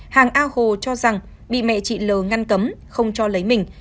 hàng a hồ cho rằng bị mẹ chị l ngăn cấm không cho lấy mình